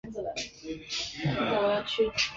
黑内贝格是德国图林根州的一个市镇。